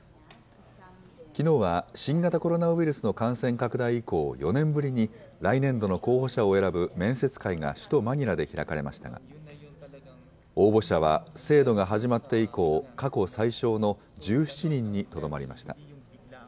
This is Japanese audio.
きのうは、新型コロナウイルスの感染拡大以降、４年ぶりに来年度の候補者を選ぶ面接会が首都マニラで開かれましたが、応募者は制度が始まって以降、過去最少の１７人にとどまりました。